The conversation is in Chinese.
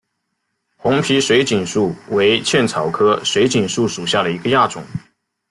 红皮水锦树为茜草科水锦树属下的一个亚种。